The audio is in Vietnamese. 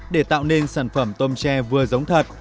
để tạo nên sản phẩm tôm tre vừa giống thật